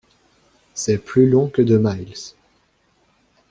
C’est plus long que deux miles.